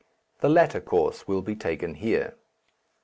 The latter course will be taken here.